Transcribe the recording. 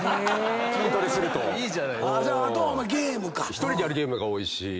１人でやるゲームが多いし。